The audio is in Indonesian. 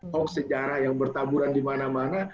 hoax sejarah yang bertaburan di mana mana